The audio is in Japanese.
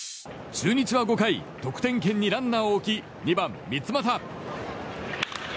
中日は５回得点圏にランナーを置き２番、三ツ俣。